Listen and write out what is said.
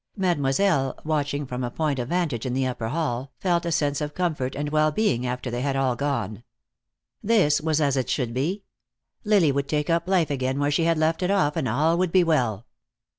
Mademoiselle, watching from a point of vantage in the upper hall, felt a sense of comfort and well being after they had all gone. This was as it should be. Lily would take up life again where she had left it off, and all would be well.